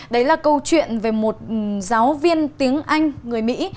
đấy là câu chuyện về một giáo viên tiếng anh người mỹ